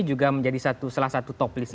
juga menjadi salah satu top list